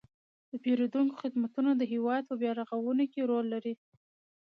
د پیرودونکو خدمتونه د هیواد په بیارغونه کې رول لري.